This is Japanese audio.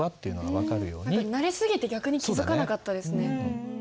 慣れ過ぎて逆に気付かなかったですね。